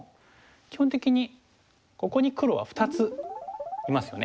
基本的にここに黒は２ついますよね。